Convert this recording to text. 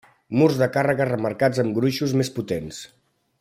Murs de càrrega remarcats amb gruixos més potents.